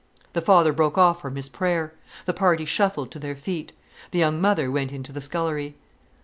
The father broke off from his prayer; the party shuffled to their feet. The young mother went into the scullery.